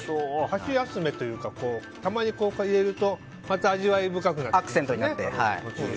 箸休めというかたまに食べるとまた味わい深くなって。